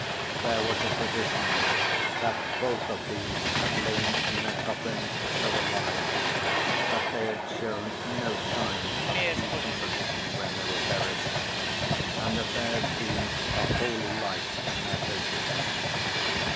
There was a tradition that both of these had lain in their coffins as though alive, that they had shown no signs of decomposition when they were buried and that there had been a holy light in their faces.